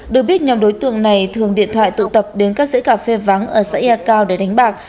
được biết nhóm đối tượng này thường điện thoại tụ tập đến các dãy cà phê vắng ở xã ya cao để đánh bạc